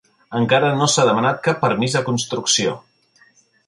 Encara no s'ha demanat cap permís de construcció.